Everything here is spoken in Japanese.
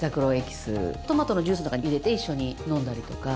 トマトのジュースとか入れて一緒に飲んだりとか。